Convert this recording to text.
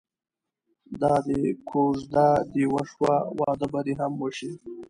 دادی کوژده دې وشوه واده به دې هم وشي.